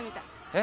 え？